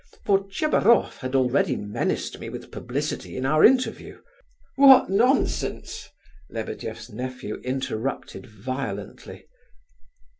For Tchebaroff had already menaced me with publicity in our interview...." "What nonsense!" Lebedeff's nephew interrupted violently.